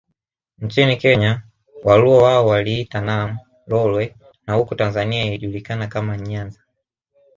Nchini Kenya Waluo wao waliliita Nam Lolwe na huku Tanzania lilijulikana kama Nyanza